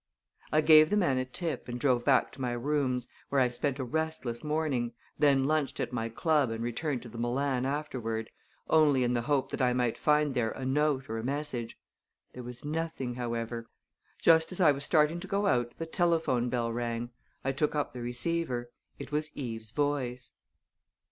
I gave the man a tip and drove back to my rooms, where I spent a restless morning, then lunched at my club and returned to the Milan afterward, only in the hope that I might find there a note or a message. There was nothing, however. Just as I was starting to go out the telephone bell rang. I took up the receiver. It was Eve's voice.